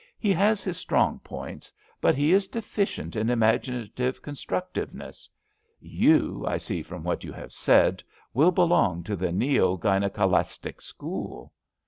'* He has his strong points. But he is deficient in imaginative constructiveness. Tou, I see from what you have said, will belong to the Neo Gynekalistic school."